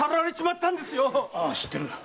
ああ知っている。